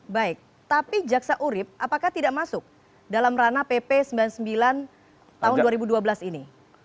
baik tapi jaksa urip apakah tidak masuk dalam ranah pp sembilan puluh sembilan tahun dua ribu dua belas ini